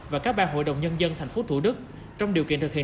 và các ba hội đồng nhân dân thành phố thủ đức trong điều kiện thực hiện